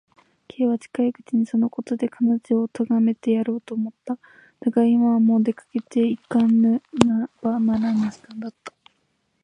Ｋ は近いうちにそのことで彼女をとがめてやろうと思った。だが、今はもう出かけていかねばならぬ時間だった。